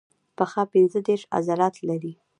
پښه پنځه دیرش عضلات لري.